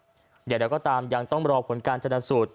เดี๋ยวเดี๋ยวก็ตามยังต้องรอผลการจรรย์สูตร